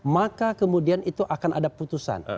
maka kemudian itu akan ada putusan